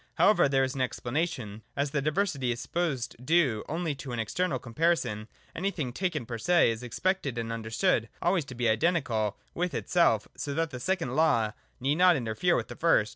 How ever there is an explanation. As the diversity is sup posed due only to external comparison, anything taken II7.J LIKE AND UNLIKE. 217 per se is expected and understood always to be identical with itself, so that the second law need not interfere with the first.